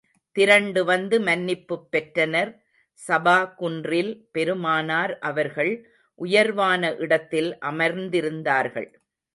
திரண்டு வந்து மன்னிப்புப் பெற்றனர் ஸபா குன்றில் பெருமானார் அவர்கள் உயர்வான இடத்தில் அமர்ந்திருந்தார்கள்.